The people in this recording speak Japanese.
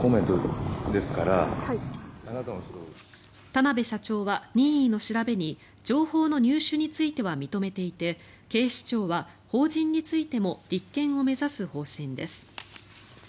田邊社長は任意の調べに情報の入手については認めていて警視庁は法人についても立件を目指す方針です。